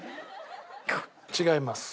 違います。